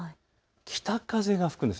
北風が吹くんです。